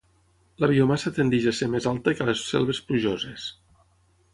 La biomassa tendeix a ser més alta que a les selves plujoses.